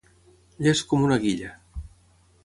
Llest com una guilla.